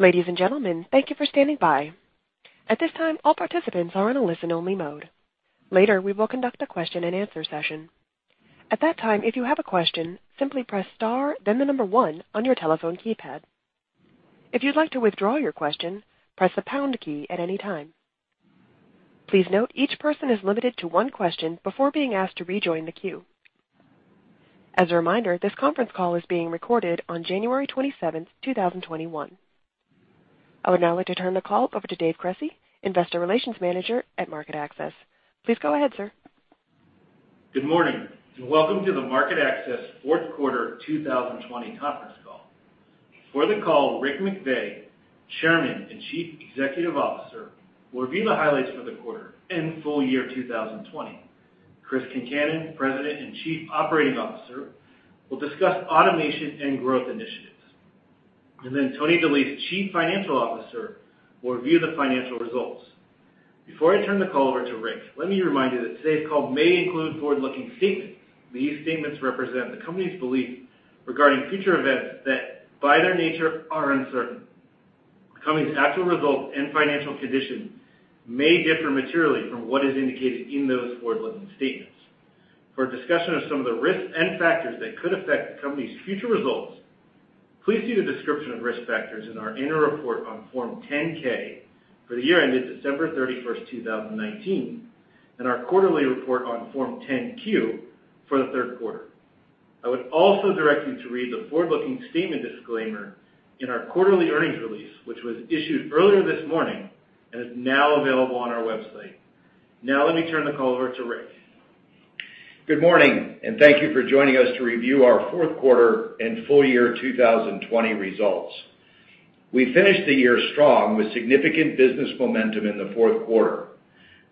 Ladies and gentlemen, thank you for standing by. At this time, all participants are in a listen-only mode. Later, we will conduct a question and answer session. At that time, if you have a question, simply press star, then the number one on your telephone keypad. If you'd like to withdraw your question, press the pound key at any time. Please note, each person is limited to one question before being asked to rejoin the queue. As a reminder, this conference call is being recorded on January 27th, 2021. I would now like to turn the call over to Dave Cresci, investor relations manager at MarketAxess. Please go ahead, sir. Good morning, and welcome to the MarketAxess fourth quarter 2020 conference call. For the call, Rick McVey, chairman and chief executive officer, will reveal the highlights for the quarter and full year 2020. Chris Concannon, president and chief operating officer, will discuss automation and growth initiatives. Then Tony DeLise, chief financial officer, will review the financial results. Before I turn the call over to Rick, let me remind you that today's call may include forward-looking statements. These statements represent the company's belief regarding future events that, by their nature, are uncertain. The company's actual results and financial condition may differ materially from what is indicated in those forward-looking statements. For a discussion of some of the risks and factors that could affect the company's future results, please see the description of risk factors in our annual report on Form 10-K for the year ended December 31st, 2019, and our quarterly report on Form 10-Q for the third quarter. I would also direct you to read the forward-looking statement disclaimer in our quarterly earnings release, which was issued earlier this morning and is now available on our website. Now, let me turn the call over to Rick. Good morning and thank you for joining us to review our fourth quarter and full year 2020 results. We finished the year strong with significant business momentum in the fourth quarter.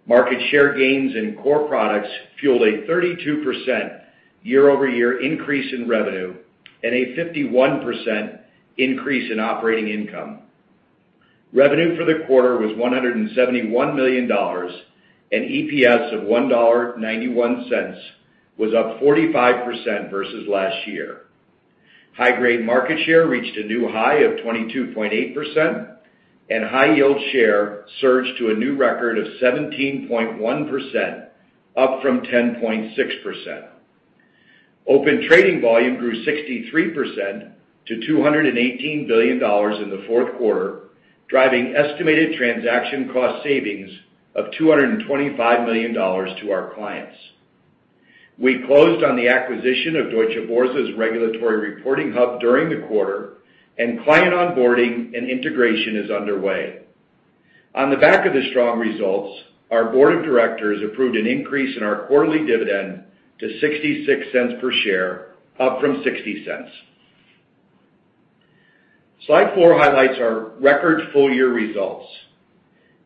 Market share gains in core products fueled a 32% year-over-year increase in revenue and a 51% increase in operating income. Revenue for the quarter was $171 million, and EPS of $1.91 was up 45% versus last year. High-grade market share reached a new high of 22.8%, and high-yield share surged to a new record of 17.1%, up from 10.6%. Open Trading volume grew 63% to $218 billion in the fourth quarter, driving estimated transaction cost savings of $225 million to our clients. We closed on the acquisition of Deutsche Börse's Regulatory Reporting Hub during the quarter, and client onboarding and integration is underway. On the back of the strong results, our board of directors approved an increase in our quarterly dividend to $0.66 per share, up from $0.60. Slide 4 highlights our record full-year results.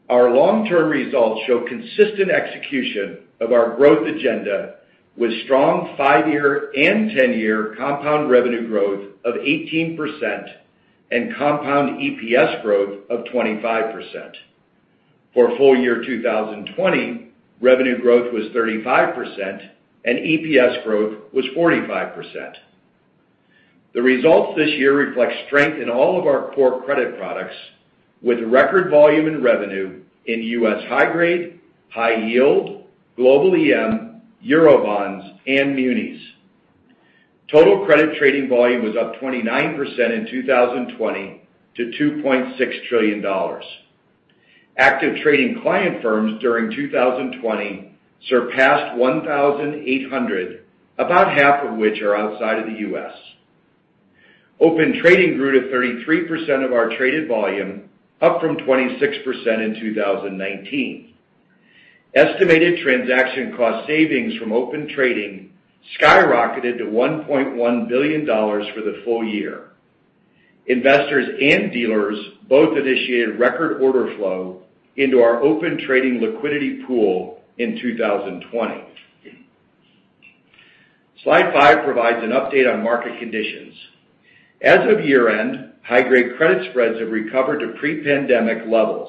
Our long-term results show consistent execution of our growth agenda with strong five-year and 10-year compound revenue growth of 18% and compound EPS growth of 25%. For full year 2020, revenue growth was 35% and EPS growth was 45%. The results this year reflect strength in all of our core credit products with record volume and revenue in US high grade, high yield, global EM, Eurobonds, and munis. Total credit trading volume was up 29% in 2020 to $2.6 trillion. Active trading client firms during 2020 surpassed 1,800, about half of which are outside of the U.S. Open Trading grew to 33% of our traded volume, up from 26% in 2019. Estimated transaction cost savings from Open Trading skyrocketed to $1.1 billion for the full year. Investors and dealers both initiated record order flow into our Open Trading liquidity pool in 2020. Slide 5 provides an update on market conditions. As of year-end, high-grade credit spreads have recovered to pre-pandemic levels.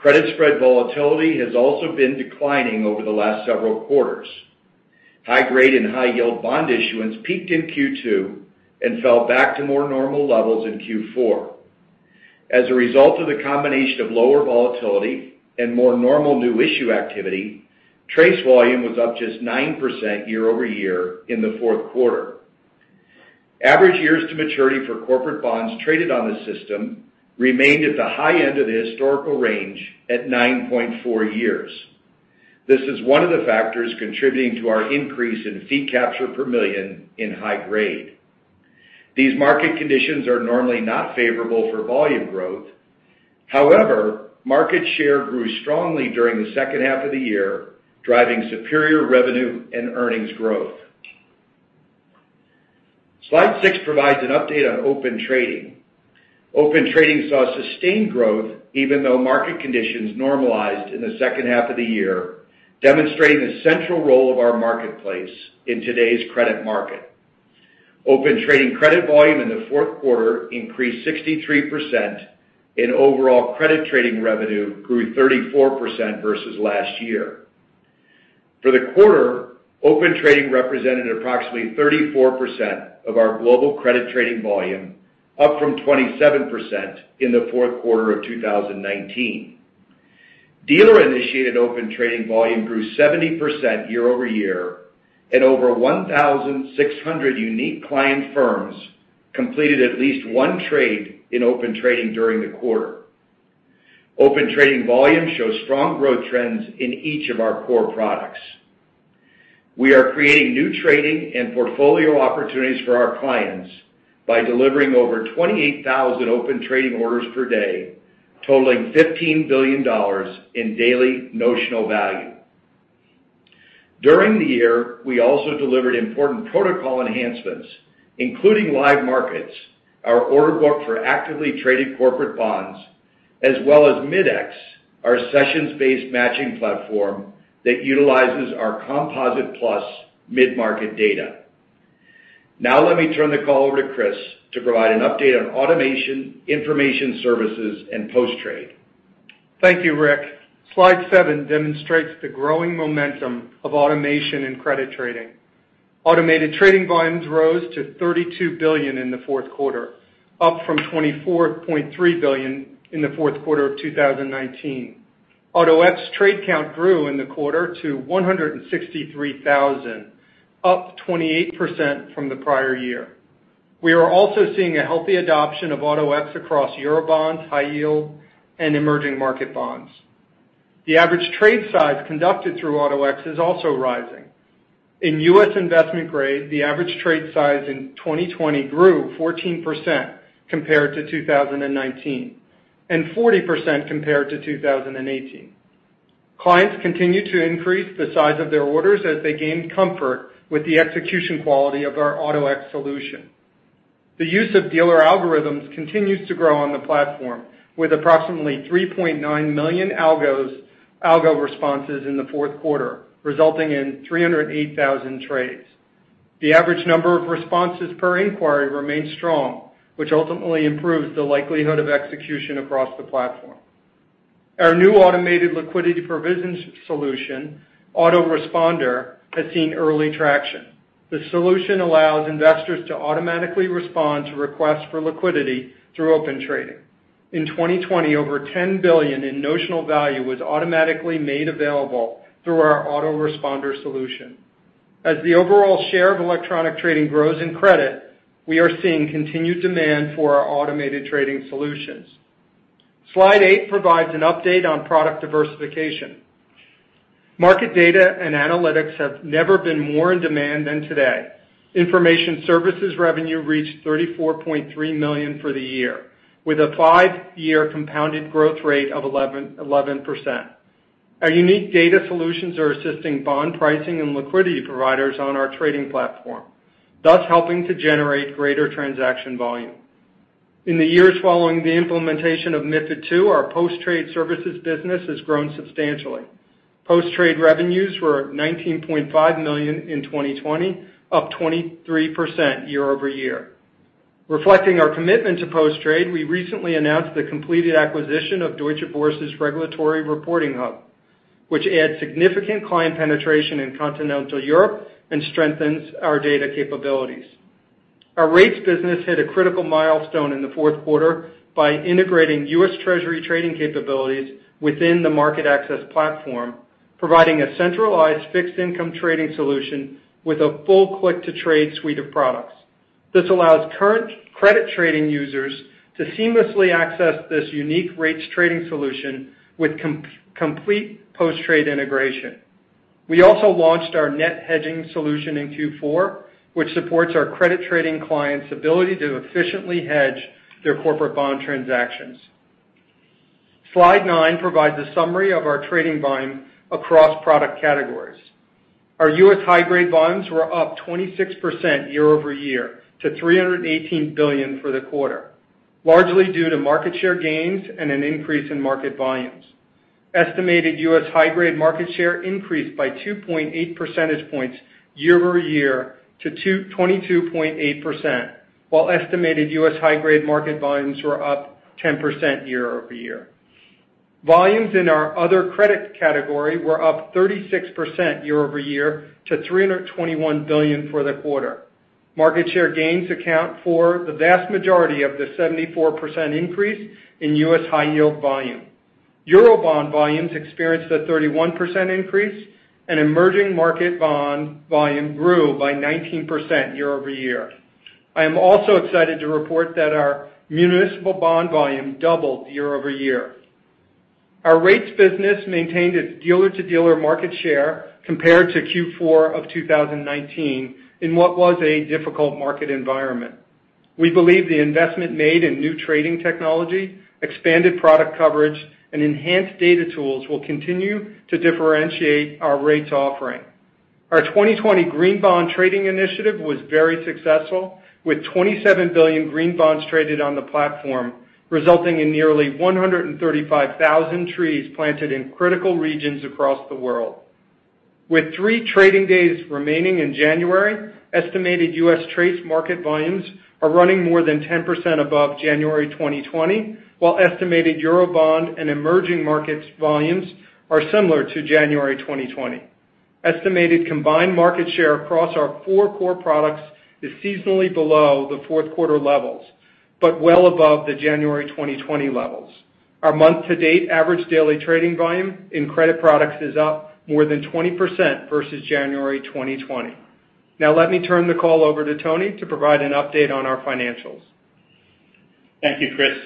Credit spread volatility has also been declining over the last several quarters. High-grade and high-yield bond issuance peaked in Q2 and fell back to more normal levels in Q4. As a result of the combination of lower volatility and more normal new issue activity, TRACE volume was up just 9% year-over-year in the fourth quarter. Average years to maturity for corporate bonds traded on the system remained at the high end of the historical range at 9.4 years. This is one of the factors contributing to our increase in fee capture per million in high-grade. These market conditions are normally not favorable for volume growth. Market share grew strongly during the second half of the year, driving superior revenue and earnings growth. Slide 6 provides an update on Open Trading. Open Trading saw sustained growth even though market conditions normalized in the second half of the year, demonstrating the central role of our marketplace in today's credit market. Open Trading credit volume in the fourth quarter increased 63%, and overall credit trading revenue grew 34% versus last year. For the quarter, Open Trading represented approximately 34% of our global credit trading volume, up from 27% in the fourth quarter of 2019. Dealer-initiated Open Trading volume grew 70% year-over-year, and over 1,600 unique client firms completed at least one trade in Open Trading during the quarter. Open Trading volume shows strong growth trends in each of our core products. We are creating new trading and portfolio opportunities for our clients by delivering over 28,000 Open Trading orders per day, totaling $15 billion in daily notional value. During the year, we also delivered important protocol enhancements, including Live Markets, our order book for actively traded corporate bonds, as well as Mid-X, our sessions-based matching platform that utilizes our Composite+ mid-market data. Let me turn the call over to Chris to provide an update on automation, information services, and post-trade. Thank you, Rick. Slide 7 demonstrates the growing momentum of automation in credit trading. Automated trading volumes rose to $32 billion in the fourth quarter, up from $24.3 billion in the fourth quarter of 2019. Auto-X trade count grew in the quarter to 163,000, up 28% from the prior year. We are also seeing a healthy adoption of Auto-X across Eurobonds, high yield, and emerging market bonds. The average trade size conducted through Auto-X is also rising. In U.S. investment grade, the average trade size in 2020 grew 14% compared to 2019, and 40% compared to 2018. Clients continue to increase the size of their orders as they gain comfort with the execution quality of our Auto-X solution. The use of dealer algorithms continues to grow on the platform, with approximately 3.9 million algo responses in the fourth quarter, resulting in 308,000 trades. The average number of responses per inquiry remains strong, which ultimately improves the likelihood of execution across the platform. Our new automated liquidity provision solution, Auto Responder, has seen early traction. This solution allows investors to automatically respond to requests for liquidity through Open Trading. In 2020, over $10 billion in notional value was automatically made available through our Auto Responder solution. As the overall share of electronic trading grows in credit, we are seeing continued demand for our automated trading solutions. Slide 8 provides an update on product diversification. Market data and analytics have never been more in demand than today. Information services revenue reached $34.3 million for the year, with a five-year compounded growth rate of 11%. Our unique data solutions are assisting bond pricing and liquidity providers on our trading platform, thus helping to generate greater transaction volume. In the years following the implementation of MiFID II, our post-trade services business has grown substantially. Post-trade revenues were $19.5 million in 2020, up 23% year-over-year. Reflecting our commitment to post-trade, we recently announced the completed acquisition of Deutsche Börse's Regulatory Reporting Hub, which adds significant client penetration in continental Europe and strengthens our data capabilities. Our rates business hit a critical milestone in the fourth quarter by integrating US Treasury trading capabilities within the MarketAxess platform, providing a centralized fixed income trading solution with a full click-to-trade suite of products. This allows current credit trading users to seamlessly access this unique rates trading solution with complete post-trade integration. We also launched our net hedging solution in Q4, which supports our credit trading clients' ability to efficiently hedge their corporate bond transactions. Slide 9 provides a summary of our trading volume across product categories. Our U.S. high-grade volumes were up 26% year-over-year to $318 billion for the quarter, largely due to market share gains and an increase in market volumes. Estimated U.S. high-grade market share increased by 2.8 percentage points year-over-year to 22.8%, while estimated U.S. high-grade market volumes were up 10% year-over-year. Volumes in our other credit category were up 36% year-over-year to $321 billion for the quarter. Market share gains account for the vast majority of the 74% increase in U.S. high-yield volume. Eurobond volumes experienced a 31% increase, and emerging market bond volume grew by 19% year-over-year. I am also excited to report that our municipal bond volume doubled year-over-year. Our rates business maintained its dealer-to-dealer market share compared to Q4 of 2019, in what was a difficult market environment. We believe the investment made in new trading technology, expanded product coverage, and enhanced data tools will continue to differentiate our rates offering. Our 2020 green bond trading initiative was very successful, with $27 billion green bonds traded on the platform, resulting in nearly 135,000 trees planted in critical regions across the world. With three trading days remaining in January, estimated U.S. trades market volumes are running more than 10% above January 2020, while estimated Eurobond and emerging markets volumes are similar to January 2020. Estimated combined market share across our four core products is seasonally below the fourth quarter levels, but well above the January 2020 levels. Our month-to-date average daily trading volume in credit products is up more than 20% versus January 2020. Let me turn the call over to Tony to provide an update on our financials. Thank you, Chris.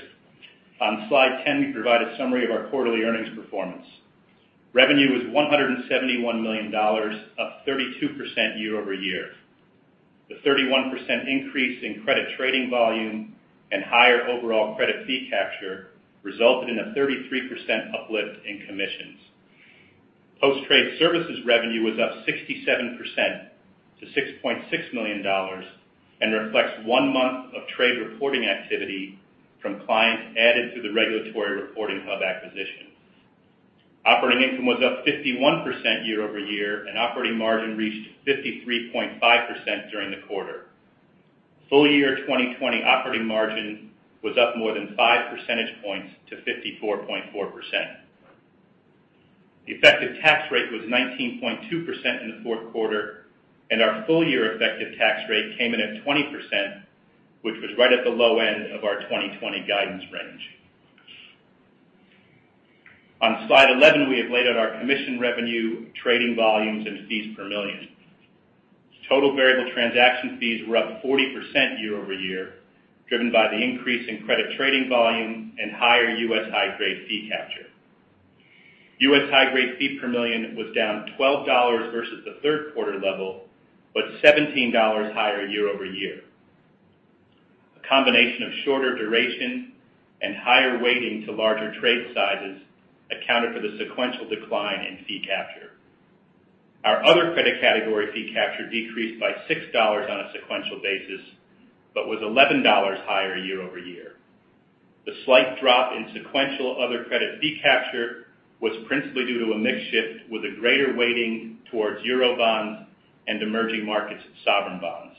On Slide 10, we provide a summary of our quarterly earnings performance. Revenue was $171 million, up 32% year-over-year. The 31% increase in credit trading volume and higher overall credit fee capture resulted in a 33% uplift in commissions. Post-trade services revenue was up 67% to $6.6 million and reflects one month of trade reporting activity from clients added to the Regulatory Reporting Hub acquisition. Operating income was up 51% year-over-year, and operating margin reached 53.5% during the quarter. Full year 2020 operating margin was up more than five percentage points to 54.4%. The effective tax rate was 19.2% in the fourth quarter, and our full-year effective tax rate came in at 20%, which was right at the low end of our 2020 guidance range. On Slide 11, we have laid out our commission revenue, trading volumes, and fees per million. Total variable transaction fees were up 40% year-over-year, driven by the increase in credit trading volume and higher U.S. high grade fee capture. U.S. high grade fee per million was down $12 versus the third quarter level. $17 higher year-over-year. A combination of shorter duration and higher weighting to larger trade sizes accounted for the sequential decline in fee capture. Our other credit category fee capture decreased by $6 on a sequential basis but was $11 higher year-over-year. The slight drop in sequential other credit fee capture was principally due to a mix shift with a greater weighting towards Eurobonds and emerging markets sovereign bonds.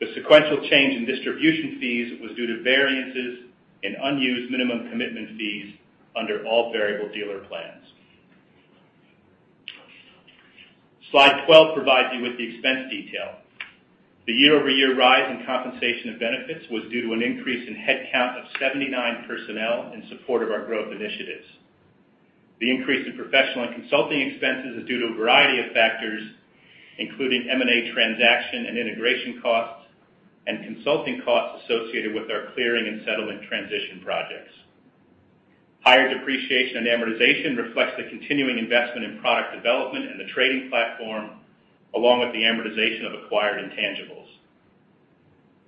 The sequential change in distribution fees was due to variances in unused minimum commitment fees under all variable dealer plans. Slide 12 provides you with the expense detail. The year-over-year rise in compensation and benefits was due to an increase in headcount of 79 personnel in support of our growth initiatives. The increase in professional and consulting expenses is due to a variety of factors, including M&A transaction and integration costs, and consulting costs associated with our clearing and settlement transition projects. Higher depreciation and amortization reflect the continuing investment in product development and the trading platform, along with the amortization of acquired intangibles.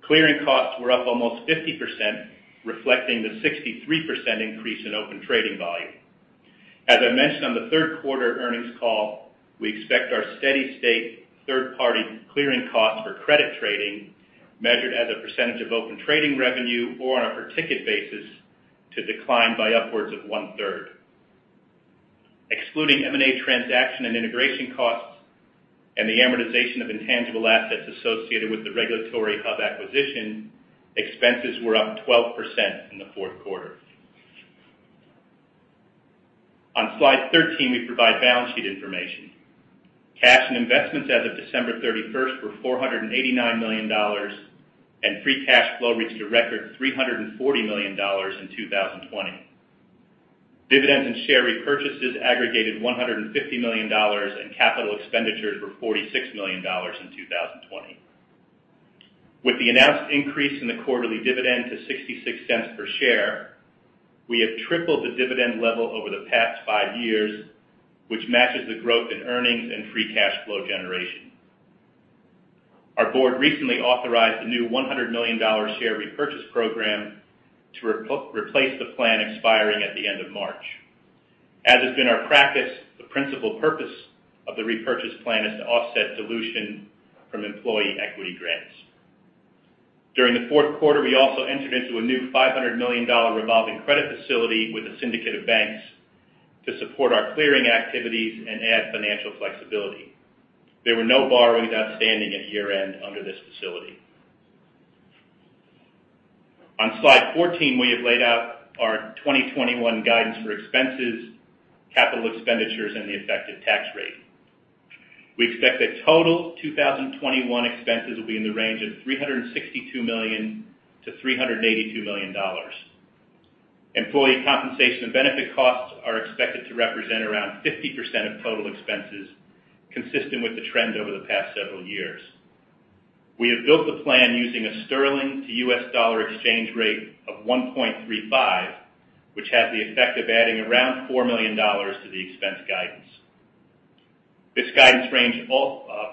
Clearing costs were up almost 50%, reflecting the 63% increase in Open Trading volume. As I mentioned on the third quarter earnings call, we expect our steady state third-party clearing costs for credit trading, measured as a percentage of Open Trading revenue or on a per ticket basis, to decline by upwards of one-third. Excluding M&A transaction and integration costs and the amortization of intangible assets associated with the Regulatory hub acquisition, expenses were up 12% in the fourth quarter. On Slide 13, we provide balance sheet information. Cash and investments as of December 31st were $489 million, and free cash flow reached a record $340 million in 2020. Dividends and share repurchase aggregated $150 million, and capital expenditures were $46 million in 2020. With the announced increase in the quarterly dividend to $0.66 per share, we have tripled the dividend level over the past five years, which matches the growth in earnings and free cash flow generation. Our board recently authorized a new $100 million share repurchase program to replace the plan expiring at the end of March. As has been our practice, the principal purpose of the repurchase plan is to offset dilution from employee equity grants. During the fourth quarter, we also entered into a new $500 million revolving credit facility with a syndicate of banks to support our clearing activities and add financial flexibility. There were no borrowings outstanding at year-end under this facility. On Slide 14, we have laid out our 2021 guidance for expenses, capital expenditures, and the effective tax rate. We expect that total 2021 expenses will be in the range of $362 million-$382 million. Employee compensation and benefit costs are expected to represent around 50% of total expenses, consistent with the trend over the past several years. We have built the plan using a sterling USD exchange rate of 1.35, which has the effect of adding around $4 million to the expense guidance. This guidance range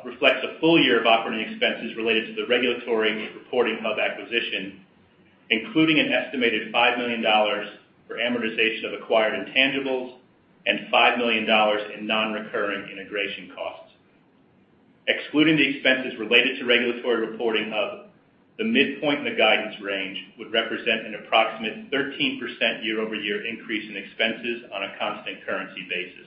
reflects a full year of operating expenses related to the Regulatory Reporting Hub acquisition, including an estimated $5 million for amortization of acquired intangibles and $5 million in non-recurring integration costs. Excluding the expenses related to Regulatory Reporting Hub, the midpoint in the guidance range would represent an approximate 13% year-over-year increase in expenses on a constant currency basis.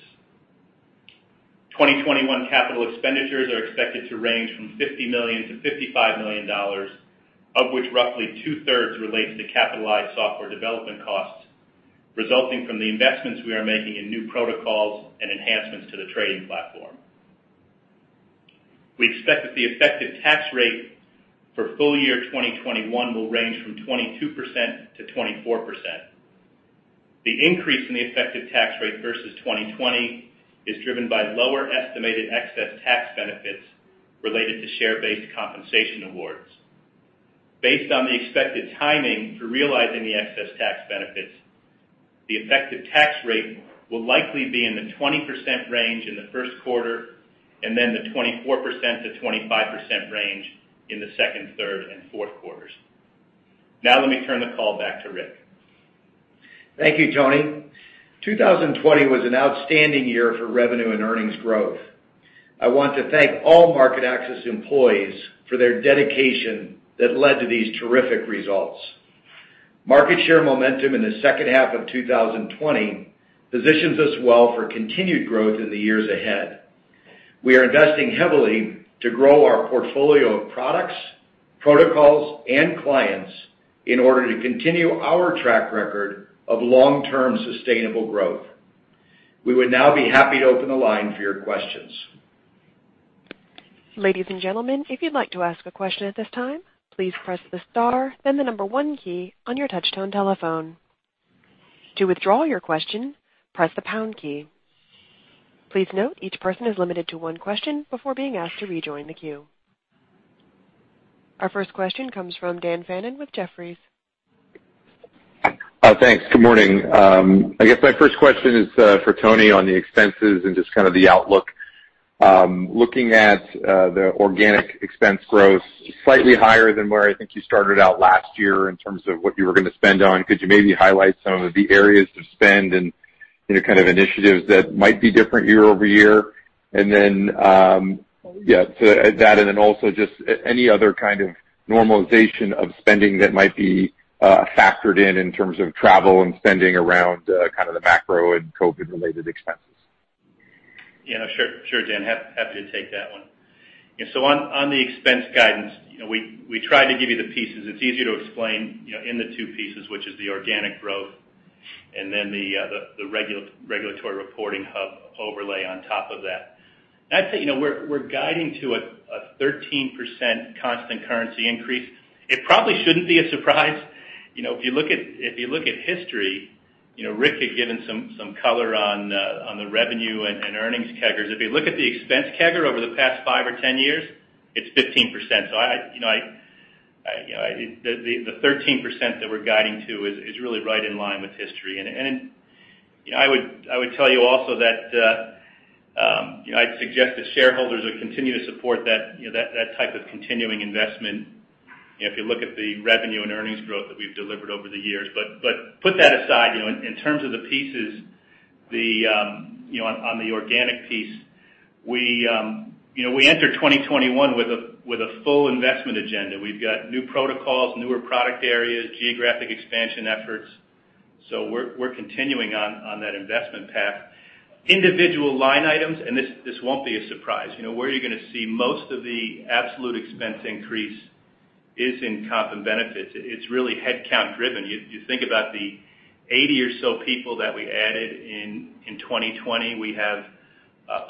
2021 capital expenditures are expected to range from $50 million-$55 million, of which roughly two-thirds relates to capitalized software development costs resulting from the investments we are making in new protocols and enhancements to the trading platform. We expect that the effective tax rate for full year 2021 will range from 22%-24%. The increase in the effective tax rate versus 2020 is driven by lower estimated excess tax benefits related to share-based compensation awards. Based on the expected timing for realizing the excess tax benefits, the effective tax rate will likely be in the 20% range in the first quarter, and then the 24%-25% range in the second, third, and fourth quarters. Let me turn the call back to Rick. Thank you, Tony. 2020 was an outstanding year for revenue and earnings growth. I want to thank all MarketAxess employees for their dedication that led to these terrific results. Market share momentum in the second half of 2020 positions us well for continued growth in the years ahead. We are investing heavily to grow our portfolio of products, protocols, and clients in order to continue our track record of long-term sustainable growth. We would now be happy to open the line for your questions. Our first question comes from Dan Fannon with Jefferies. Thanks. Good morning. I guess my first question is for Tony on the expenses and just kind of the outlook. Looking at the organic expense growth, slightly higher than where I think you started out last year in terms of what you were going to spend on. Could you maybe highlight some of the areas of spend and initiatives that might be different year-over-year? Yeah. That, also just any other kind of normalization of spending that might be factored in terms of travel and spending around kind of the macro and COVID-related expenses. Sure, Dan. Happy to take that one. On the expense guidance, we tried to give you the pieces. It's easier to explain in the two pieces, which is the organic growth and then the Regulatory Reporting Hub overlay on top of that. I'd say we're guiding to a 13% constant currency increase. It probably shouldn't be a surprise. If you look at history, Rick had given some color on the revenue and earnings CAGRs. If you look at the expense CAGR over the past 5 or 10 years, it's 15%. The 13% that we're guiding to is really right in line with history. I would tell you also that I'd suggest that shareholders would continue to support that type of continuing investment if you look at the revenue and earnings growth that we've delivered over the years. Put that aside. In terms of the pieces, on the organic piece, we enter 2021 with a full investment agenda. We've got new protocols, newer product areas, geographic expansion efforts. We're continuing on that investment path. Individual line items, and this won't be a surprise. Where you're going to see most of the absolute expense increase is in comp and benefits. It's really headcount-driven. You think about the 80 or so people that we added in 2020. We have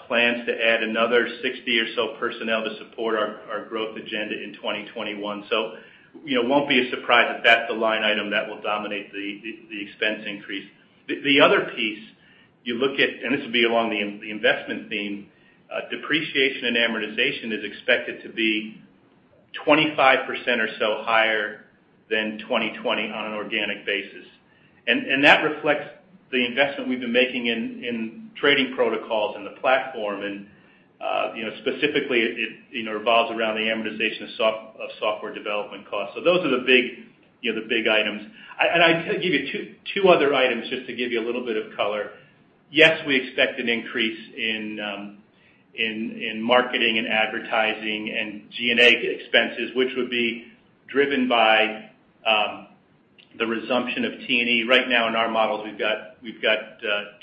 plans to add another 60 or so personnel to support our growth agenda in 2021. It won't be a surprise that that's the line item that will dominate the expense increase. The other piece you look at, and this will be along the investment theme, depreciation and amortization is expected to be 25% or so higher than 2020 on an organic basis. That reflects the investment we've been making in trading protocols and the platform, and specifically, it revolves around the amortization of software development costs. Those are the big items. I'll give you two other items just to give you a little bit of color. Yes, we expect an increase in marketing and advertising and G&A expenses, which would be driven by the resumption of T&E. Right now in our models, we've got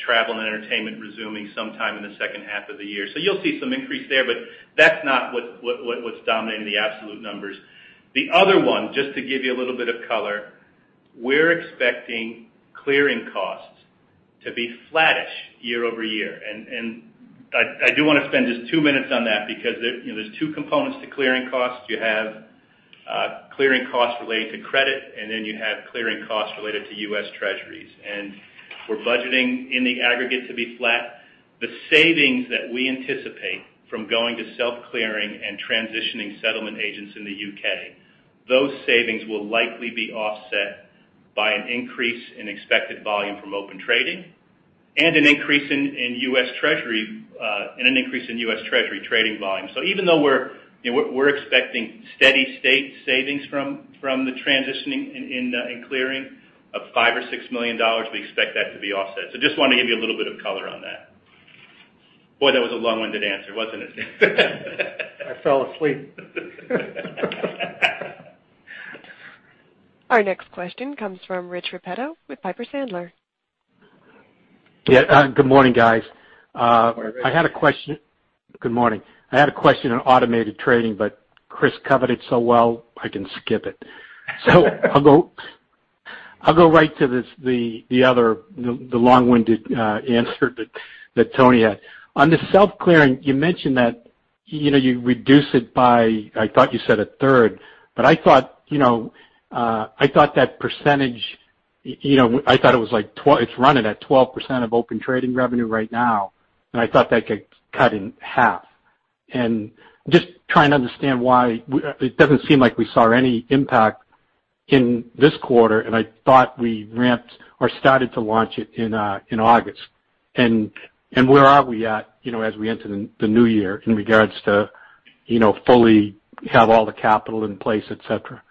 travel and entertainment resuming sometime in the second half of the year. You'll see some increase there, but that's not what's dominating the absolute numbers. The other one, just to give you a little bit of color, we're expecting clearing costs to be flattish year-over-year. I do want to spend just two minutes on that because there's two components to clearing costs. You have clearing costs related to credit. You have clearing costs related to US Treasuries. We're budgeting in the aggregate to be flat. The savings that we anticipate from going to self-clearing and transitioning settlement agents in the U.K., those savings will likely be offset by an increase in expected volume from Open Trading and an increase in US Treasury trading volume. Even though we're expecting steady state savings from the transitioning in clearing of $5 million-$6 million, we expect that to be offset. Just wanted to give you a little bit of color on that. Boy, that was a long-winded answer, wasn't it? I fell asleep. Our next question comes from Rich Repetto with Piper Sandler. Yeah. Good morning, guys. Morning. Good morning. I had a question on automated trading, but Chris covered it so well, I can skip it. I'll go right to the other long-winded answer that Tony had. On the self-clearing, you mentioned that you reduce it by, I thought you said a third, but I thought that percentage, it's running at 12% of Open Trading revenue right now, and I thought that got cut in half. Just trying to understand why it doesn't seem like we saw any impact in this quarter, and I thought we ramped or started to launch it in August. Where are we at, as we enter the new year in regard to fully have all the capital in place, et cetera?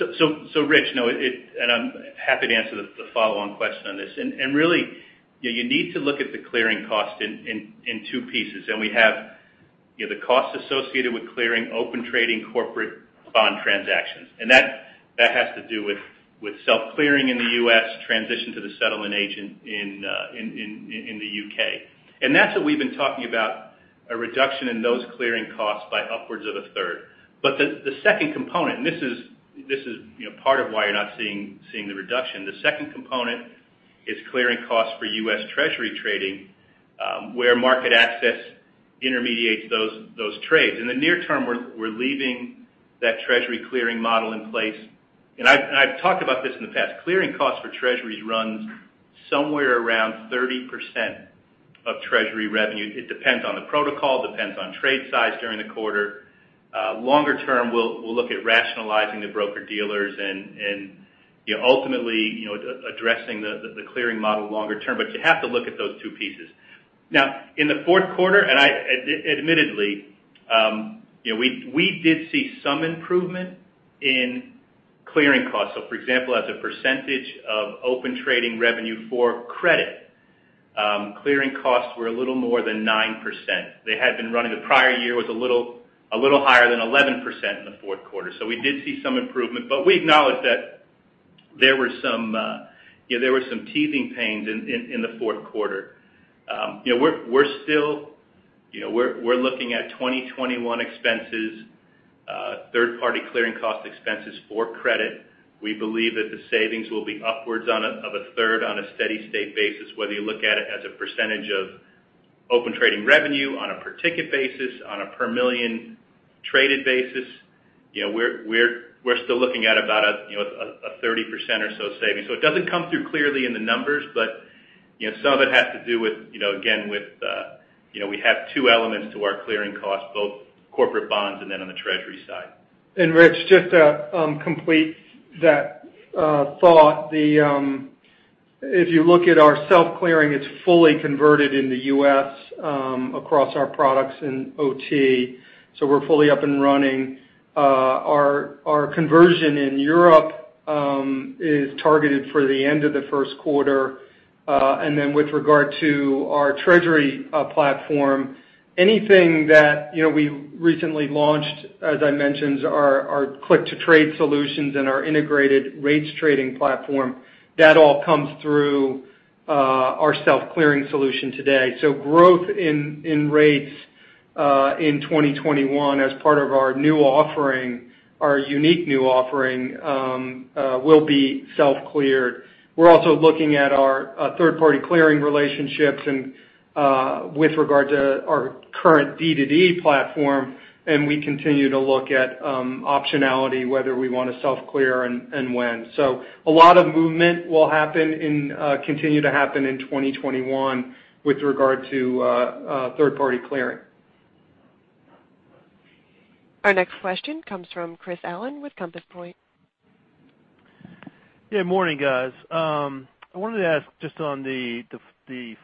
Rich, I'm happy to answer the follow-on question on this. Really, you need to look at the clearing cost in two pieces. We have the cost associated with clearing Open Trading corporate bond transactions. That has to do with self-clearing in the U.S. transition to the settlement agent in the U.K. That's what we've been talking about, a reduction in those clearing costs by upwards of a third. The second component, and this is part of why you're not seeing the reduction. The second component is clearing costs for U.S. Treasury trading, where MarketAxess intermediates those trades. In the near term, we're leaving that Treasury clearing model in place. I've talked about this in the past. Clearing costs for Treasuries runs somewhere around 30% of Treasury revenue. It depends on the protocol, depends on trade size during the quarter. Longer term, we'll look at rationalizing the broker-dealers and ultimately addressing the clearing model longer term. You have to look at those two pieces. In the fourth quarter, and admittedly, we did see some improvement in clearing costs. For example, as a percentage of Open Trading revenue for credit, clearing costs were a little more than 9%. They had been running the prior year with a little higher than 11% in the fourth quarter. We did see some improvement, but we acknowledge that there were some teething pains in the fourth quarter. We're looking at 2021 expenses, third-party clearing cost expenses for credit. We believe that the savings will be upwards of a third on a steady state basis, whether you look at it as a percentage of Open Trading revenue on a per ticket basis, on a per million traded basis. We're still looking at about a 30% or so savings. It doesn't come through clearly in the numbers, but some of it has to do with, again, we have two elements to our clearing cost, both corporate bonds and then on the Treasury side. Rich, just to complete that thought. If you look at our self-clearing, it's fully converted in the U.S. across our products in OT, so we're fully up and running. Our conversion in Europe is targeted for the end of the first quarter. With regard to our treasury platform, anything that we recently launched, as I mentioned, are our click-to-trade solutions and our integrated rates trading platform. That all comes through our self-clearing solution today. Growth in rates in 2021 as part of our new offering, our unique new offering, will be self-cleared. We're also looking at our third-party clearing relationships and with regard to our current D2D platform, and we continue to look at optionality, whether we want to self-clear and when. A lot of movement will continue to happen in 2021 with regard to third-party clearing. Our next question comes from Chris Allen with Compass Point. Yeah, morning, guys. I wanted to ask just on the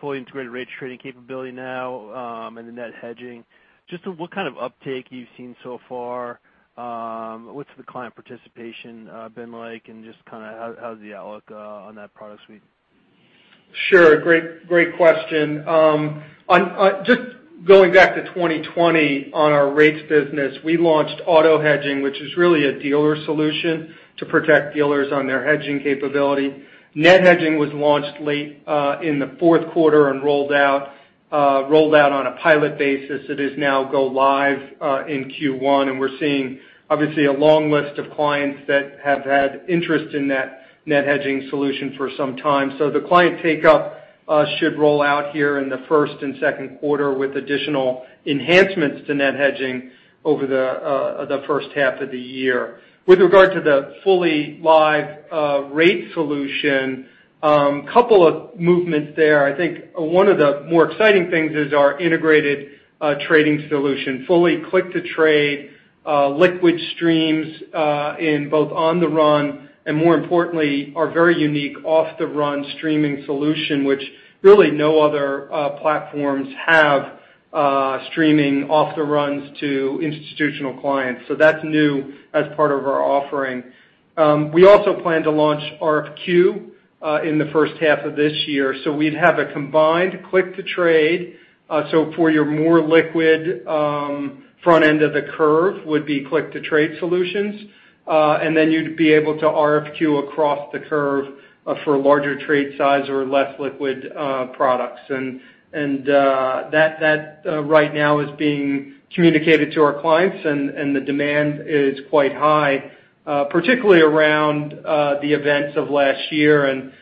fully integrated rate trading capability now and the net hedging, just what kind of uptake you've seen so far, what's the client participation been like, and just how's the outlook on that product suite? Sure. Great question. Just going back to 2020 on our rates business, we launched auto hedging, which is really a dealer solution to protect dealers on their hedging capability. net hedging was launched late in the fourth quarter and rolled out on a pilot basis. It is now go live in Q1, and we're seeing, obviously, a long list of clients that have had interest in net hedging solution for some time. The client take-up should roll out here in the first and second quarter with additional enhancements to net hedging over the first half of the year. With regard to the fully live rate solution, couple of movements there. I think one of the more exciting things is our integrated trading solution, fully click to trade liquid streams in both on the run, and more importantly, our very unique off-the-run streaming solution, which really no other platforms have streaming off the runs to institutional clients. That's new as part of our offering. We also plan to launch RFQ in the first half of this year. We'd have a combined click to trade. For your more liquid front end of the curve would be click to trade solutions. Then you'd be able to RFQ across the curve for larger trade size or less liquid products. That right now is being communicated to our clients and the demand is quite high. Particularly around the events of last year and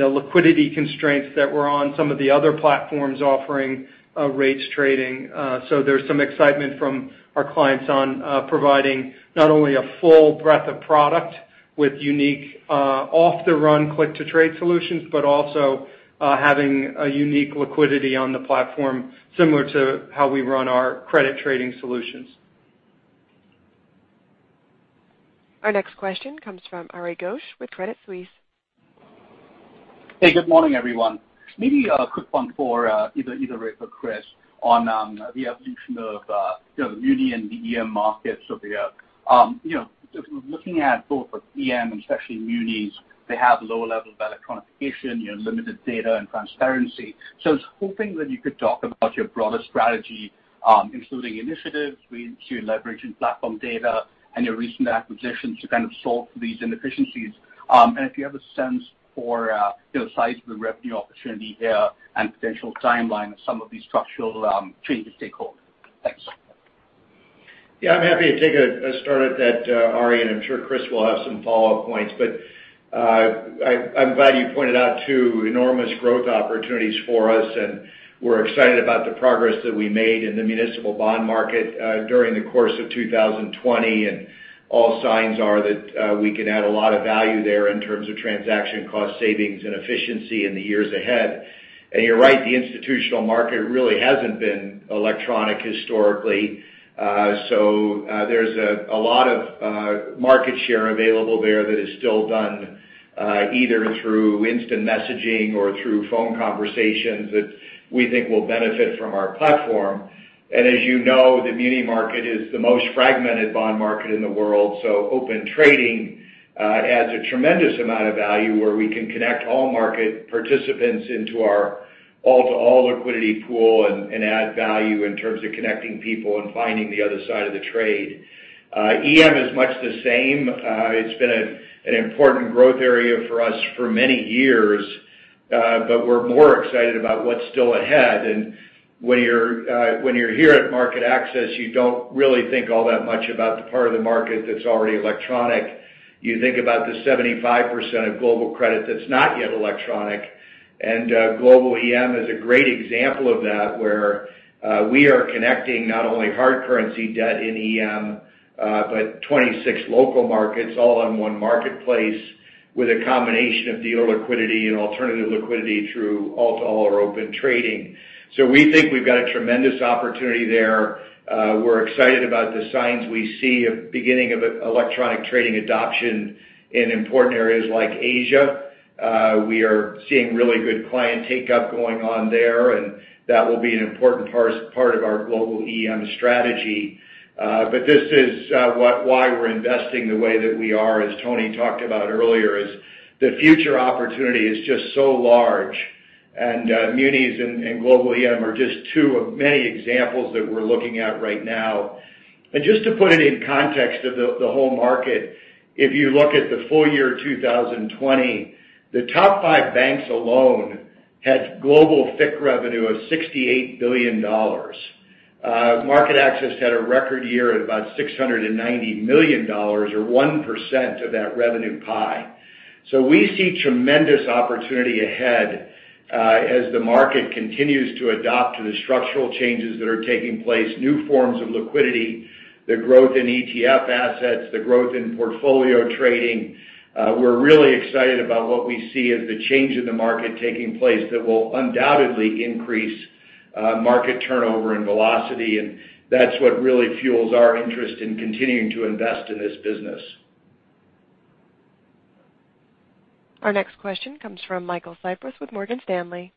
the liquidity constraints that were on some of the other platforms offering rates trading. There's some excitement from our clients on providing not only a full breadth of product with unique off-the-run click-to-trade solutions but also having a unique liquidity on the platform similar to how we run our credit trading solutions. Our next question comes from Ari Ghosh with Credit Suisse. Hey, good morning, everyone. Maybe a quick one for either Rick or Chris on the evolution of the muni and the EM markets over the years. Looking at both the EM and especially munis, they have lower levels of electronification, limited data and transparency. I was hoping that you could talk about your broader strategy, including initiatives relating to leveraging platform data and your recent acquisitions to kind of solve these inefficiencies. If you have a sense for the size of the revenue opportunity there and potential timeline of some of these structural changes take hold. Thanks. Yeah, I'm happy to take a start at that, Ari, and I'm sure Chris will have some follow-up points. I'm glad you pointed out two enormous growth opportunities for us, and we're excited about the progress that we made in the municipal bond market during the course of 2020. All signs are that we can add a lot of value there in terms of transaction cost savings and efficiency in the years ahead. You're right, the institutional market really hasn't been electronic historically. There's a lot of market share available there that is still done either through instant messaging or through phone conversations that we think will benefit from our platform. As you know, the muni market is the most fragmented bond market in the world. Open Trading adds a tremendous amount of value where we can connect all market participants into our all-to-all liquidity pool and add value in terms of connecting people and finding the other side of the trade. EM is much the same. It's been an important growth area for us for many years, but we're more excited about what's still ahead. When you're here at MarketAxess, you don't really think all that much about the part of the market that's already electronic. You think about the 75% of global credit that's not yet electronic. Global EM is a great example of that, where we are connecting not only hard currency debt in EM, but 26 local markets all on one marketplace with a combination of dealer liquidity and alternative liquidity through all-to-all or Open Trading. We think we've got a tremendous opportunity there. We're excited about the signs we see of beginning of electronic trading adoption in important areas like Asia. We are seeing really good client take-up going on there, and that will be an important part of our global EM strategy. This is why we're investing the way that we are, as Tony talked about earlier, is the future opportunity is just so large. Munis and global EM are just two of many examples that we're looking at right now. Just to put it in context of the whole market, if you look at the full year 2020, the top 5 banks alone had global FFICC revenue of $68 billion. MarketAxess had a record year at about $690 million or 1% of that revenue pie. We see tremendous opportunity ahead as the market continues to adapt to the structural changes that are taking place, new forms of liquidity, the growth in ETF assets, the growth in portfolio trading. We're really excited about what we see as the change in the market taking place that will undoubtedly increase market turnover and velocity, and that's what really fuels our interest in continuing to invest in this business. Our next question comes from Michael Cyprys with Morgan Stanley.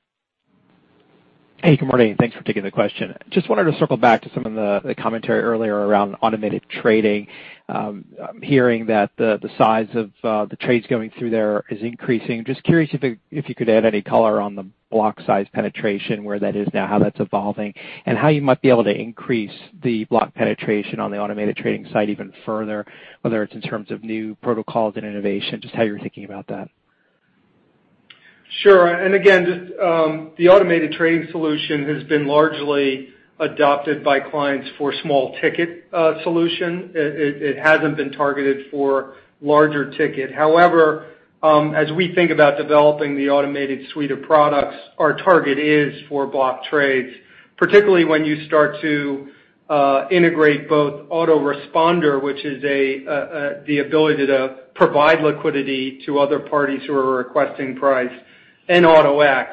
Hey, good morning. Thanks for taking the question. Just wanted to circle back to some of the commentary earlier around automated trading. I'm hearing that the size of the trades going through there is increasing. Just curious if you could add any color on the block size penetration, where that is now, how that's evolving, and how you might be able to increase the block penetration on the automated trading side even further, whether it's in terms of new protocols and innovation, just how you're thinking about that. Sure. Again, just the automated trading solution has been largely adopted by clients for small-ticket solution. It hasn't been targeted for larger ticket. However, as we think about developing the automated suite of products, our target is for block trades, particularly when you start to integrate both Auto-Responder, which is the ability to provide liquidity to other parties who are requesting price, and Auto-X.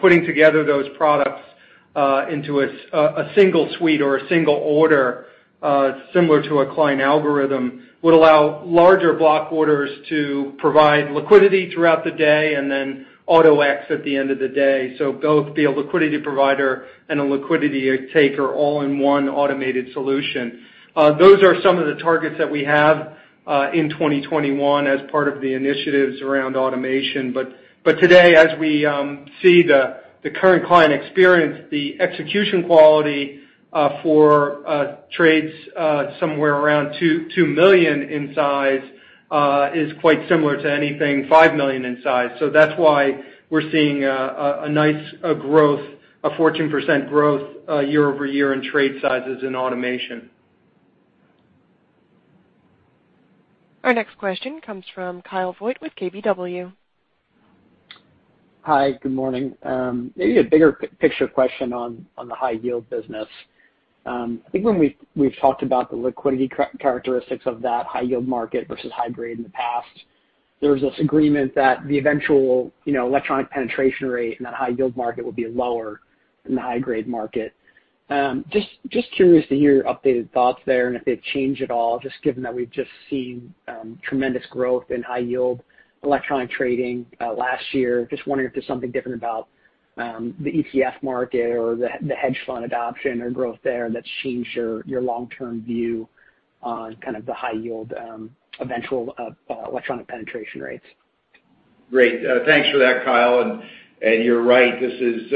Putting together those products into a single suite or a single order, similar to a client algorithm, would allow larger block orders to provide liquidity throughout the day and Auto-X at the end of the day. Both be a liquidity provider and a liquidity taker all in one automated solution. Those are some of the targets that we have in 2021 as part of the initiatives around automation. Today, as we see the current client experience, the execution quality for trades somewhere around $2 million in size is quite similar to anything $5 million in size. That's why we're seeing a nice growth, a 14% growth year-over-year in trade sizes in automation. Our next question comes from Kyle Voigt with KBW. Hi, good morning. Maybe a bigger picture question on the high yield business. I think when we've talked about the liquidity characteristics of that high yield market versus high grade in the past, there was this agreement that the eventual electronic penetration rate in that high yield market would be lower than the high-grade market. Curious to hear your updated thoughts there and if they've changed at all, given that we've just seen tremendous growth in high yield electronic trading last year. Wondering if there's something different about the ETF market or the hedge fund adoption or growth there that's changed your long-term view on kind of the high yield eventual electronic penetration rates. Great. Thanks for that, Kyle. You're right. This is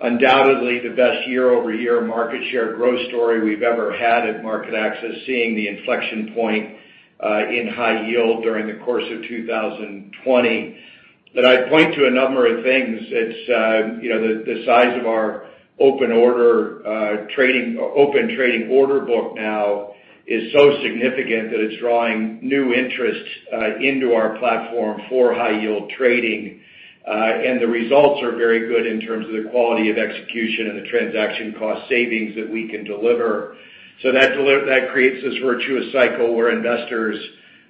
undoubtedly the best year-over-year market share growth story we've ever had at MarketAxess, seeing the inflection point in high yield during the course of 2020. I'd point to a number of things. The size of our Open Trading order book now is so significant that it's drawing new interest into our platform for high yield trading. The results are very good in terms of the quality of execution and the transaction cost savings that we can deliver. That creates this virtuous cycle where investors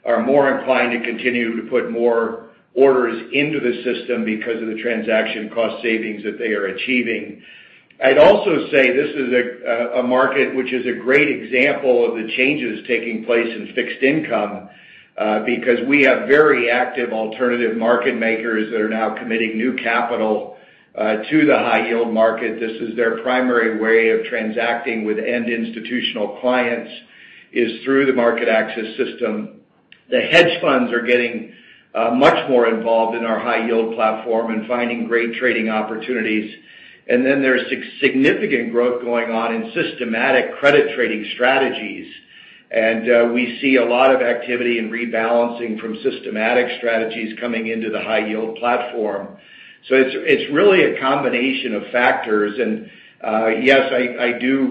are more inclined to continue to put more orders into the system because of the transaction cost savings that they are achieving. I'd also say this is a market which is a great example of the changes taking place in fixed income, because we have very active alternative market makers that are now committing new capital to the high-yield market. This is their primary way of transacting with end institutional clients, is through the MarketAxess system. The hedge funds are getting much more involved in our high-yield platform and finding great trading opportunities. There's significant growth going on in systematic credit trading strategies. We see a lot of activity in rebalancing from systematic strategies coming into the high-yield platform. It's really a combination of factors. Yes,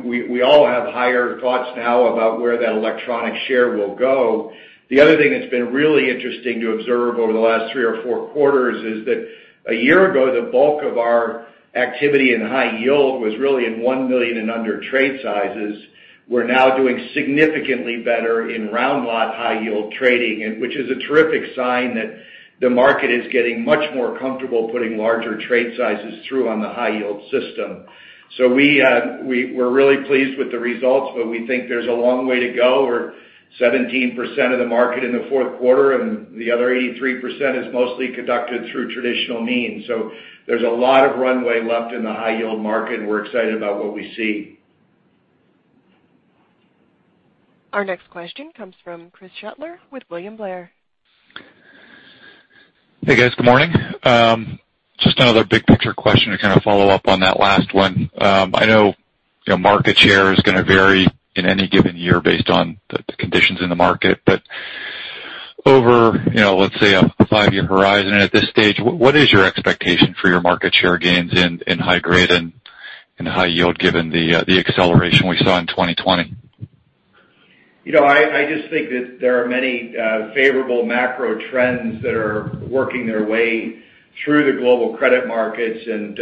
we all have higher thoughts now about where that electronic share will go. The other thing that's been really interesting to observe over the last three or four quarters is that a year ago, the bulk of our activity in high yield was really in 1 million and under trade sizes. We're now doing significantly better in round lot high-yield trading, which is a terrific sign that the market is getting much more comfortable putting larger trade sizes through on the high-yield system. We're really pleased with the results, but we think there's a long way to go. We're 17% of the market in the fourth quarter, and the other 83% is mostly conducted through traditional means. There's a lot of runways left in the high-yield market, and we're excited about what we see. Our next question comes from Chris Shutler with William Blair. Hey, guys. Good morning. Just another big-picture question to kind of follow up on that last one. I know market share is going to vary in any given year based on the conditions in the market. Over, let's say, a five-year horizon and at this stage, what is your expectation for your market share gains in high grade and in high yield given the acceleration we saw in 2020? I just think that there are many favorable macro trends that are working their way through the global credit markets and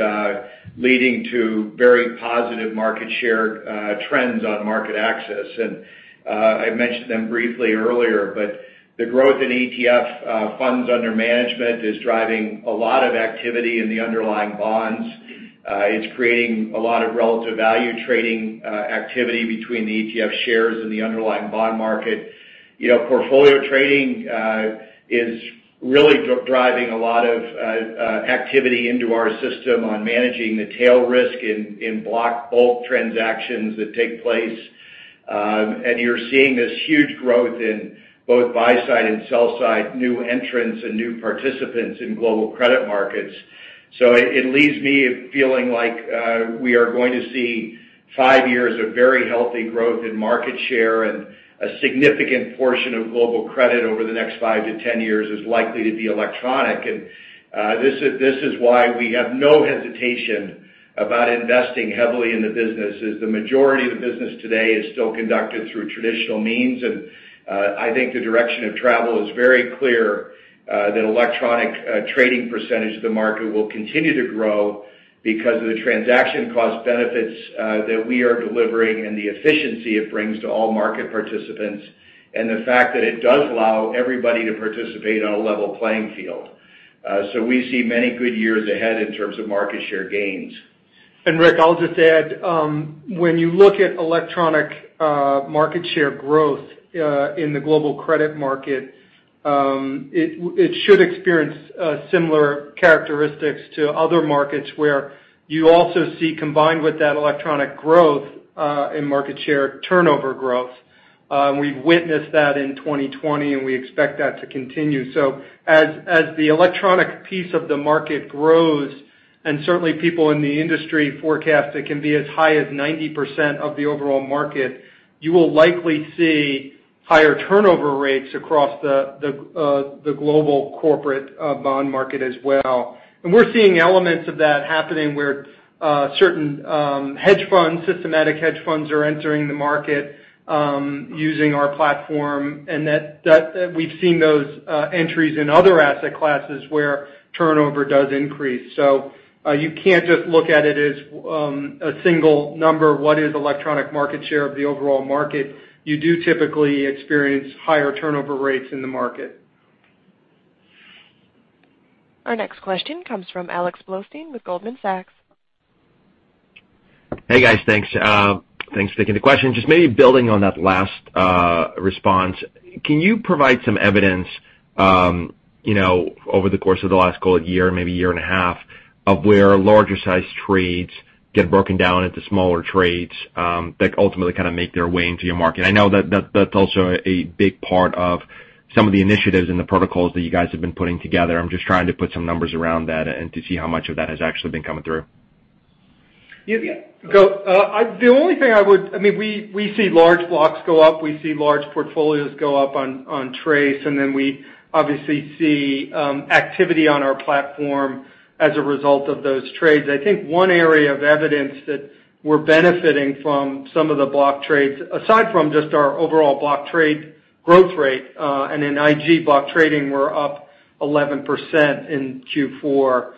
leading to very positive market share trends on MarketAxess. I mentioned them briefly earlier, but the growth in ETF funds under management is driving a lot of activity in the underlying bonds. It's creating a lot of relative value trading activity between the ETF shares and the underlying bond market. Portfolio trading is really driving a lot of activity into our system on managing the tail risk in block bulk transactions that take place. You're seeing this huge growth in both buy-side and sell-side new entrants and new participants in global credit markets. It leaves me feeling like we are going to see five years of very healthy growth in market share, and a significant portion of global credit over the next 5-10 years is likely to be electronic. This is why we have no hesitation about investing heavily in the business, as the majority of the business today is still conducted through traditional means. I think the direction of travel is very clear that electronic trading percentage of the market will continue to grow because of the transaction cost benefits that we are delivering and the efficiency it brings to all market participants, and the fact that it does allow everybody to participate on a level playing field. We see many good years ahead in terms of market share gains. And Rick, I'll just add, when you look at electronic market share growth in the global credit market, it should experience similar characteristics to other markets where you also see, combined with that electronic growth in market share, turnover growth. We've witnessed that in 2020; we expect that to continue. As the electronic piece of the market grows, and certainly people in the industry forecast it can be as high as 90% of the overall market, you will likely see higher turnover rates across the global corporate bond market as well. We're seeing elements of that happening where certain hedge funds, systematic hedge funds, are entering the market using our platform, and we've seen those entries in other asset classes where turnover does increase. You can't just look at it as a single number, what is electronic market share of the overall market. You do typically experience higher turnover rates in the market. Our next question comes from Alex Blostein with Goldman Sachs. Hey, guys. Thanks for taking the question. Just maybe building on that last response, can you provide some evidence over the course of the last call, a year, maybe a year and a half, of where larger-sized trades get broken down into smaller trades that ultimately kind of make their way into your market? I know that's also a big part of some of the initiatives and the protocols that you guys have been putting together. I'm just trying to put some numbers around that and to see how much of that has actually been coming through. We see large blocks go up, we see large portfolios go up on TRACE, we obviously see activity on our platform as a result of those trades. I think one area of evidence that we're benefiting from some of the block trades, aside from just our overall block trade growth rate, in IG block trading, we're up 11% in Q4.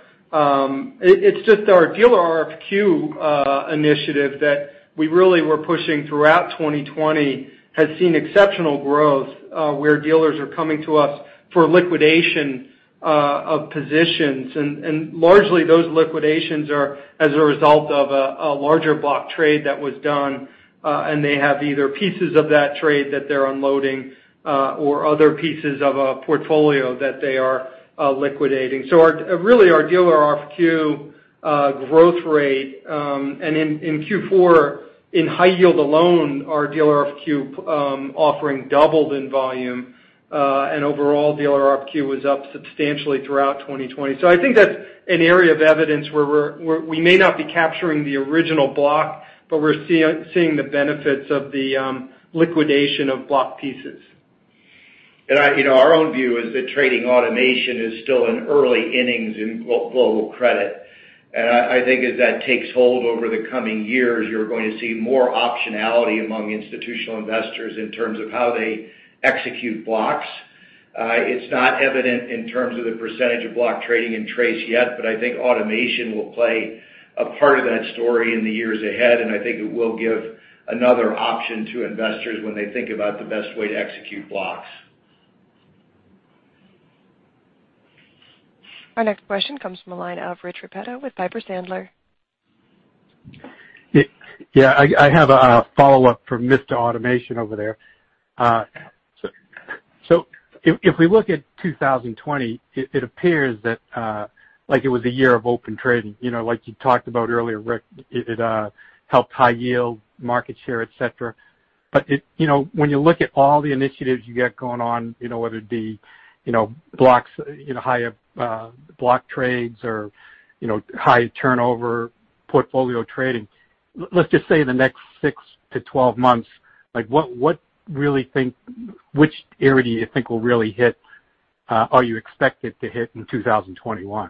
It's just our dealer RFQ initiative that we really were pushing throughout 2020 has seen exceptional growth, where dealers are coming to us for liquidation of positions. Largely, those liquidations are as a result of a larger block trade that was done, they have either pieces of that trade that they're unloading or other pieces of a portfolio that they are liquidating. In Q4, in high yield alone, our dealer RFQ offering doubled in volume. Overall, dealer RFQ was up substantially throughout 2020. I think that's an area of evidence where we may not be capturing the original block, but we're seeing the benefits of the liquidation of block pieces. Our own view is that trading automation is still in early innings in global credit. I think as that takes hold over the coming years; you're going to see more optionality among institutional investors in terms of how they execute blocks. It's not evident in terms of the percentage of block trading in TRACE yet, but I think automation will play a part of that story in the years ahead, and I think it will give another option to investors when they think about the best way to execute blocks. Our next question comes from the line of Rich Repetto with Piper Sandler. Yeah. I have a follow-up for Mr. Automation over there. If we look at 2020, it appears that it was a year of Open Trading. Like you talked about earlier, Rick, it helped high yield market share, et cetera. When you look at all the initiatives you got going on, whether it be blocks, higher block trades or high turnover portfolio trading. Let's just say the next six to 12 months, which area do you think will really hit, or you expect it to hit in 2021?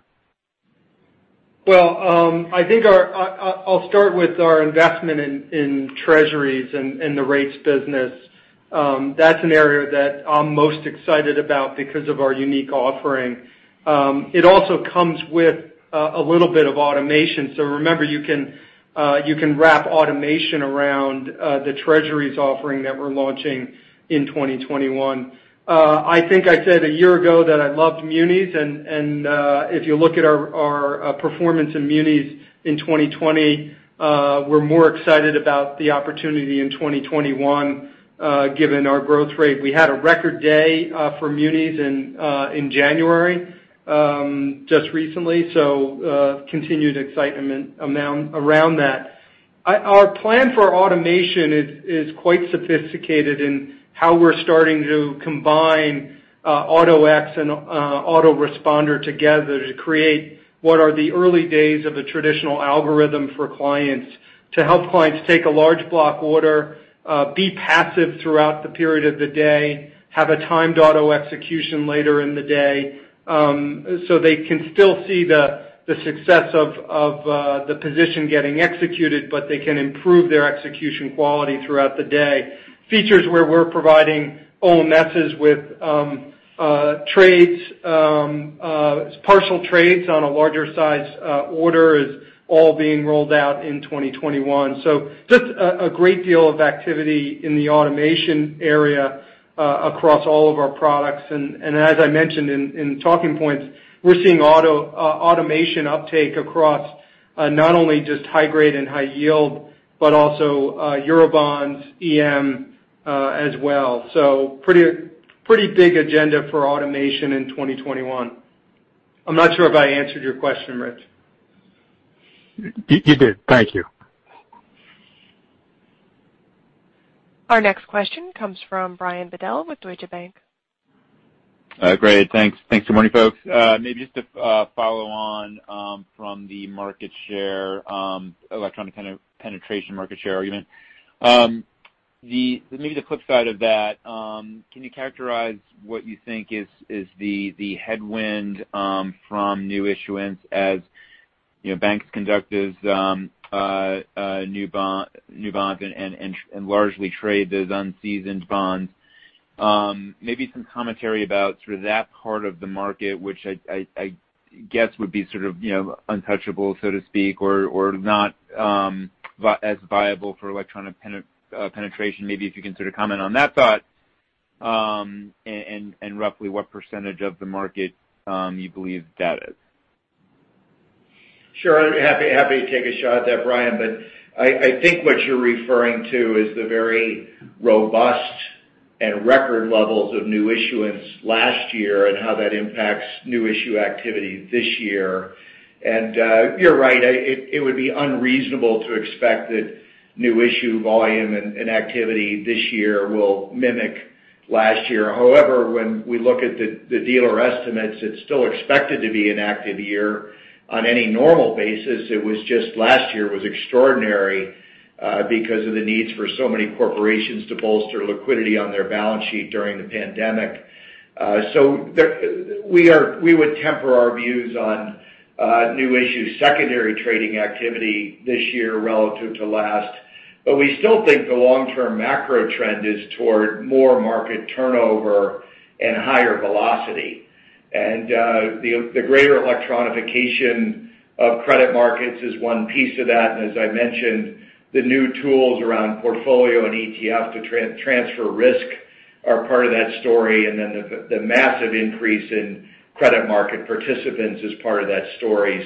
Well, I'll start with our investment in Treasuries and the rates business. That's an area that I'm most excited about because of our unique offering. It also comes with a little bit of automation. Remember, you can wrap automation around the Treasuries offering that we're launching in 2021. I think I said a year ago that I loved munis, if you look at our performance in munis in 2020, we're more excited about the opportunity in 2021 given our growth rate. We had a record day for munis in January, just recently, continued excitement around that. Our plan for automation is quite sophisticated in how we're starting to combine Auto-X and Auto-Responder together to create what are the early days of a traditional algorithm for clients to help clients take a large block order, be passive throughout the period of the day, have a timed auto execution later in the day. They can still see the success of the position getting executed, but they can improve their execution quality throughout the day. Features where we're providing OMSs with trades, partial trades on a larger size order is all being rolled out in 2021. Just a great deal of activity in the automation area across all of our products. As I mentioned in talking points, we're seeing automation uptake across not only just high grade and high yield, but also Eurobonds, EM As well. Pretty big agenda for automation in 2021. I'm not sure if I answered your question, Rich. You did. Thank you. Our next question comes from Brian Bedell with Deutsche Bank. Great. Thanks. Good morning, folks. Just to follow on from the market share, electronic kind of penetration market share argument. The flip side of that, can you characterize what you think is the headwind from new issuance as banks conduct these new bonds and largely trade those unseasoned bonds? Some commentary about sort of that part of the market, which I'd guess would be sort of untouchable, so to speak, or not as viable for electronic penetration. If you can sort of comment on that thought, roughly what percentage of the market you believe that is. Sure. Happy to take a shot at that, Brian. I think what you're referring to is the very robust and record levels of new issuance last year and how that impacts new issue activity this year. You're right, it would be unreasonable to expect that new issue volume and activity this year will mimic last year. However, when we look at the dealer estimates, it's still expected to be an active year. On any normal basis, it was just last year was extraordinary because of the needs for so many corporations to bolster liquidity on their balance sheet during the pandemic. We would temper our views on new issue secondary trading activity this year relative to last. We still think the long-term macro trend is toward more market turnover and higher velocity. The greater electronification of credit markets is one piece of that. As I mentioned, the new tools around portfolio and ETF to transfer risk are part of that story, and then the massive increase in credit market participants is part of that story.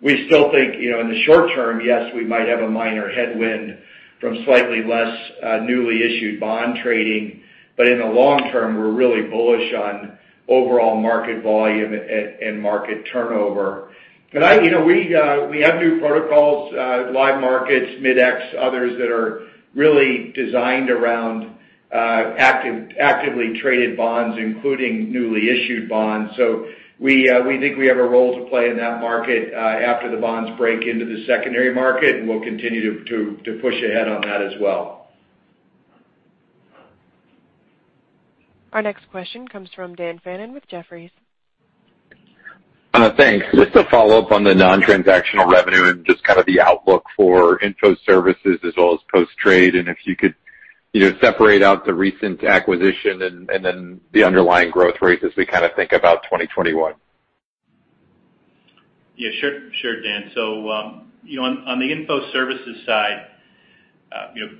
We still think, in the short term, yes, we might have a minor headwind from slightly less newly issued bond trading. In the long term, we're really bullish on overall market volume and market turnover. We have new protocols, Live Markets, Mid-X, others, that are really designed around actively traded bonds, including newly issued bonds. We think we have a role to play in that market after the bonds break into the secondary market, and we'll continue to push ahead on that as well. Our next question comes from Dan Fannon with Jefferies. Thanks. Just to follow up on the non-transactional revenue and just kind of the outlook for info services as well as post-trade, and if you could separate out the recent acquisition and then the underlying growth rate as we kind of think about 2021. Yeah. Sure, Dan. On the info services side,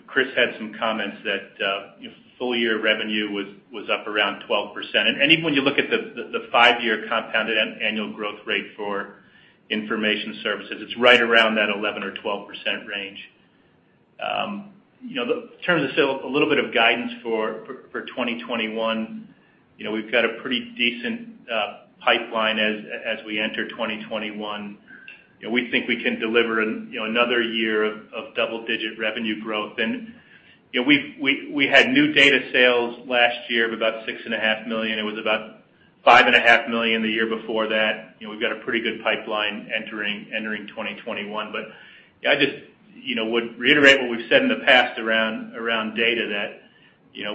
Chris had some comments that full-year revenue was up around 12%. Even when you look at the five-year compounded annual growth rate for information services, it's right around that 11% or 12% range. In terms of a little bit of guidance for 2021, we've got a pretty decent pipeline as we enter 2021. We had new data sales last year of about $6.5 million. It was about $5.5 million the year before that. We've got a pretty good pipeline entering 2021. I just would reiterate what we've said in the past around data that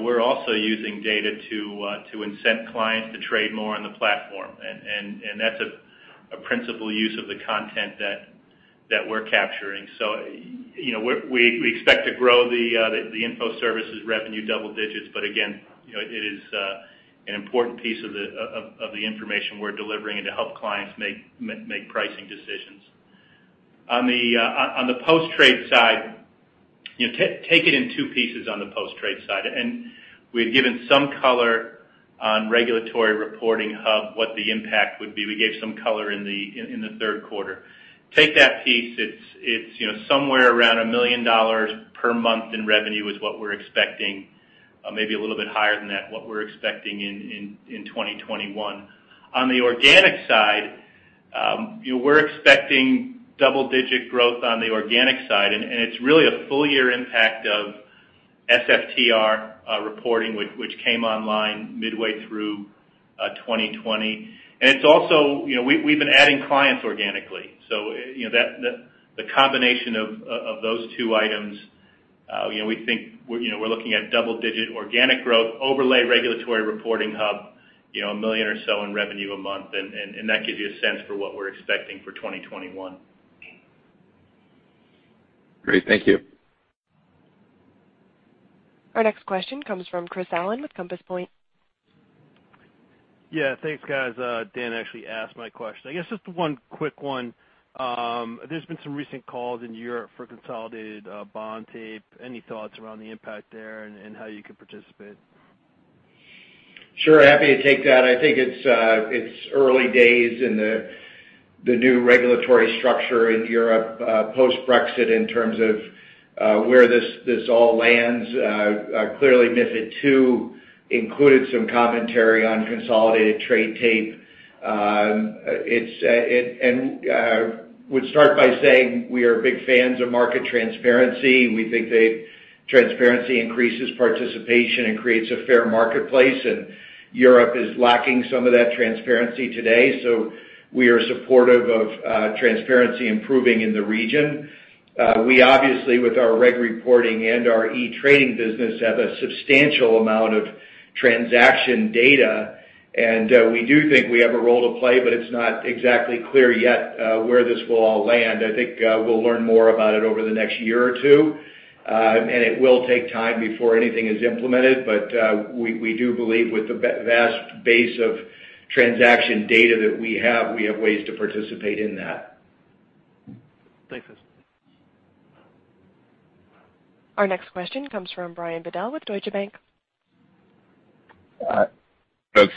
we're also using data to incent clients to trade more on the platform, and that's a principal use of the content that we're capturing. We expect to grow the info services revenue double digits, but again, it is an important piece of the information we're delivering and to help clients make pricing decisions. On the post-trade side, take it in two pieces on the post-trade side. We had given some color on Regulatory Reporting Hub, what the impact would be. We gave some color in the third quarter. Take that piece, it's somewhere around $1 million per month in revenue is what we're expecting, maybe a little bit higher than that, what we're expecting in 2021. On the organic side, we're expecting double-digit growth on the organic side, and it's really a full-year impact of SFTR reporting, which came online midway through 2020. It's also, we've been adding clients organically. The combination of those two items, we think we're looking at double-digit organic growth overlay Regulatory Reporting Hub, $1 million or so in revenue a month, and that gives you a sense for what we're expecting for 2021. Great. Thank you. Our next question comes from Chris Allen with Compass Point. Yeah. Thanks, guys. Dan actually asked my question. I guess just one quick one. There's been some recent calls in Europe for consolidated bond tape. Any thoughts around the impact there and how you could participate? Sure, happy to take that. I think it's early days in the new regulatory structure in Europe, post-Brexit, in terms of where this all lands. Clearly, MiFID II included some commentary on consolidated trade tape. Would start by saying we are big fans of market transparency. We think that transparency increases participation and creates a fair marketplace, and Europe is lacking some of that transparency today. We are supportive of transparency improving in the region. We obviously, with our reg reporting and our e-trading business, have a substantial amount of transaction data, and we do think we have a role to play, but it's not exactly clear yet where this will all land. I think we'll learn more about it over the next year or two. It will take time before anything is implemented. We do believe with the vast base of transaction data that we have, we have ways to participate in that. Thanks. Our next question comes from Brian Bedell with Deutsche Bank. Folks,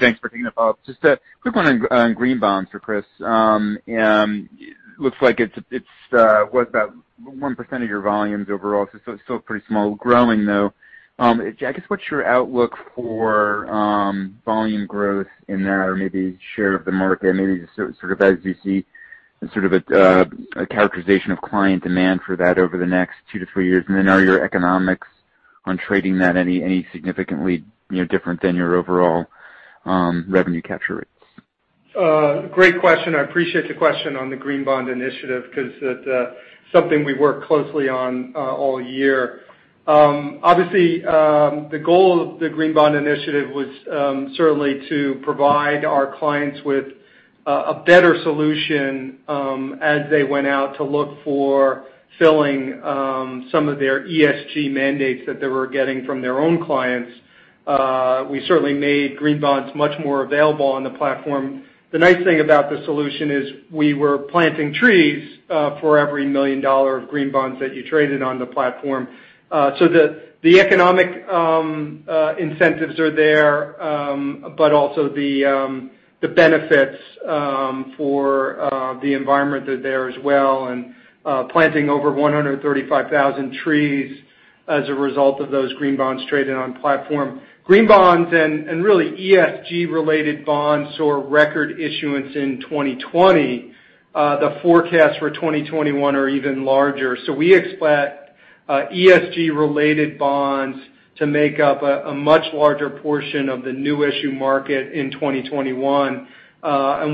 thanks for taking it, Bob. Just a quick one on green bonds for Chris. Looks like it's about 1% of your volumes overall, so still pretty small. Growing, though. I guess, what's your outlook for volume growth in there, or maybe share of the market? Maybe just sort of as you see, sort of a characterization of client demand for that over the next two to three years. Are your economics on trading that any significantly different than your overall revenue capture rates? Great question. I appreciate the question on the Green Bond Initiative because it's something we worked closely on all year. Obviously, the goal of the Green Bond Initiative was certainly to provide our clients with a better solution as they went out to look for filling some of their ESG mandates that they were getting from their own clients. We certainly made green bonds much more available on the platform. The nice thing about the solution is we were planting trees for every $1 million of green bonds that you traded on the platform. The economic incentives are there, but also the benefits for the environment are there as well, and planting over 135,000 trees as a result of those green bonds traded on platform. Green bonds and really ESG-related bonds saw record issuance in 2020. The forecasts for 2021 are even larger. We expect ESG-related bonds to make up a much larger portion of the new issue market in 2021.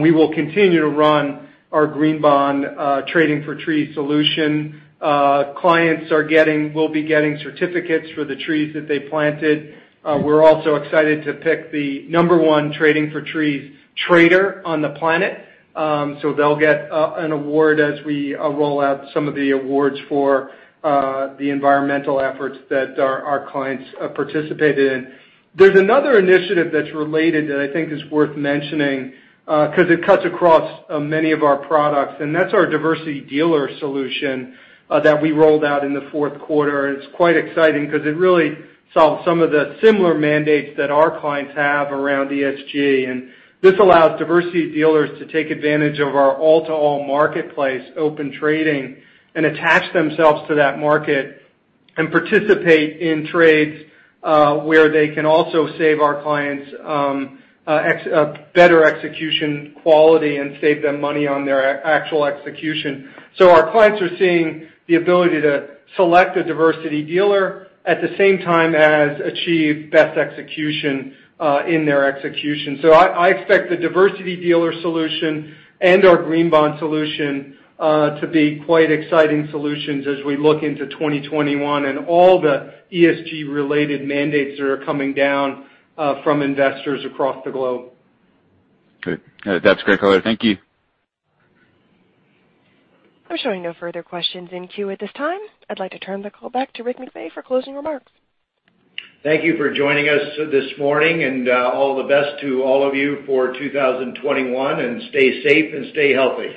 We will continue to run our green bond Trading for Trees solution. Clients will be getting certificates for the trees that they planted. We're also excited to pick the Number 1 Trading for Trees trader on the planet. They'll get an award as we roll out some of the awards for the environmental efforts that our clients participated in. There's another initiative that's related that I think is worth mentioning because it cuts across many of our products, and that's our Diversity Dealer Solution that we rolled out in the fourth quarter. It's quite exciting because it really solves some of the similar mandates that our clients have around ESG. This allows diversity dealers to take advantage of our all-to-all marketplace, Open Trading, and attach themselves to that market and participate in trades where they can also save our clients better execution quality and save them money on their actual execution. Our clients are seeing the ability to select a diversity dealer at the same time as achieve best execution in their execution. I expect the diversity dealer solution and our green bond solution to be quite exciting solutions as we look into 2021 and all the ESG-related mandates that are coming down from investors across the globe. Good. That's great color. Thank you. I'm showing no further questions in queue at this time. I'd like to turn the call back to Rick McVey for closing remarks. Thank you for joining us this morning, all the best to all of you for 2021. Stay safe and stay healthy.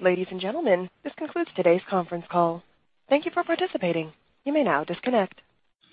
Ladies and gentlemen, this concludes today's conference call. Thank you for participating. You may now disconnect.